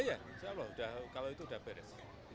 iya kalau itu sudah beres